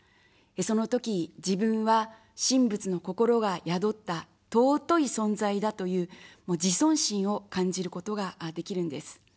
そのとき、自分は神仏の心が宿った尊い存在だという、自尊心を感じることができるんです。